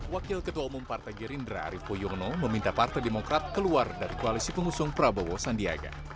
wakil ketua umum partai gerindra arief poyono meminta partai demokrat keluar dari koalisi pengusung prabowo sandiaga